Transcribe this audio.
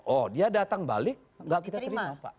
oh dia datang balik nggak kita terima pak